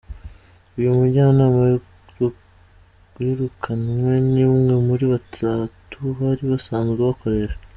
Uyu mujyanama wirukanwe ni umwe muri batatu bari basanzwe bakoresha.